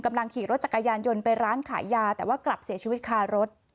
กำลังขี่รถจักรยานยนต์ไปร้านขายยาแต่ว่ากลับเสียชีวิตคารถ